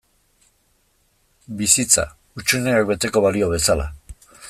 Bizitza, hutsuneak beteko balio bezala.